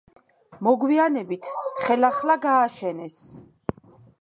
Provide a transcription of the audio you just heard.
მოგვიანებით ხელახლა გააშენეს.